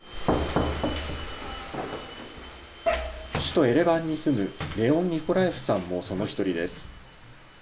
首都エレバンに住むレオン・ニコラエフさんもその１人です。